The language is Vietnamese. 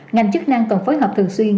ngành chức năng cần phối hợp thường xuyên